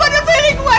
pada piring gue